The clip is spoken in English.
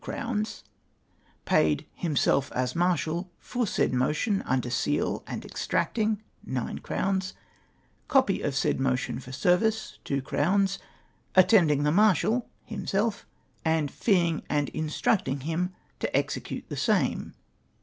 .200 Paid (himself as marshal) for sa, id monition nnder seal, and extracting ,. .900 Copy of said monition for service .. .200 Attending the Marshal! (himself) and feeing and instructing him to execute the same!